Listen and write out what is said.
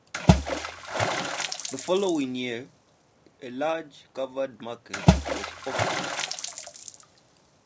The following year, a large covered market was opened.